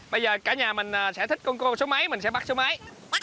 bây giờ cả nhà mình sẽ thích con cua số mấy mình sẽ bắt số mấy